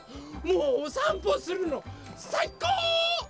もうおさんぽするのさいこう！